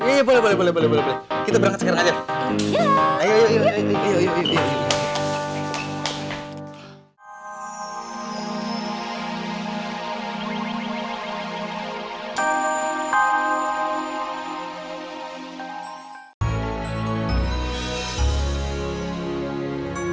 iya boleh boleh boleh kita berangkat sekarang aja